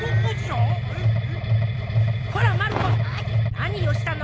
何をしたの？